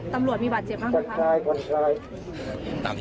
ตำรวจมีบาทเจ็บหรือเปล่าครับ